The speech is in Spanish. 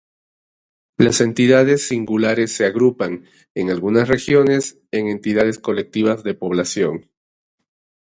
Las entidades singulares se agrupan, en algunas regiones, en entidades colectivas de población.